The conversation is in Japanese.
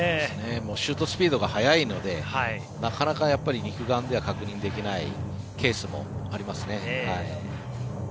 シュートスピードが速いのでなかなか肉眼では確認できないケースもありますね。